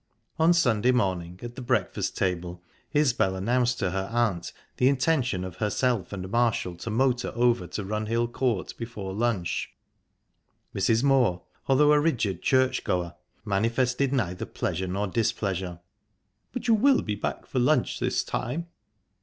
On Sunday morning, at the breakfast table, Isbel announced to her aunt the intention of herself and Marshall to motor over to Runhill Court before lunch. Mrs. Moor, although a rigid churchgoer, manifested neither pleasure not displeasure. "But you will be back for lunch this time?"